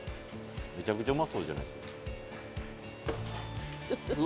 「めちゃくちゃうまそうじゃないですか」